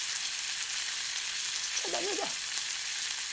しちゃダメだ。